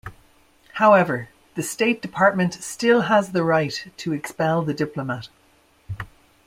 However, the State Department still has the right to expel the diplomat.